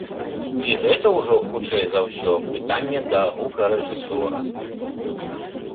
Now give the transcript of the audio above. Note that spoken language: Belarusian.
І гэта ўжо, хутчэй за ўсё, пытанне да гукарэжысёра.